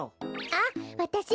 あっわたし